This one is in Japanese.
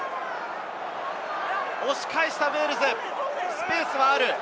押し返したウェールズ、スペースはある。